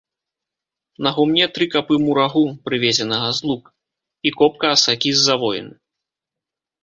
На гумне тры капы мурагу, прывезенага з лук, і копка асакі з завоіны.